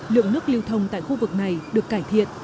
lượng nước lưu thông tại khu vực này được cải thiện